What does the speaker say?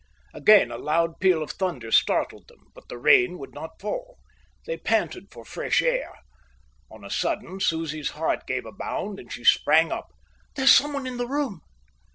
Again a loud peal of thunder startled them, but the rain would not fall. They panted for fresh air. On a sudden Susie's heart gave a bound, and she sprang up. "There's someone in the room."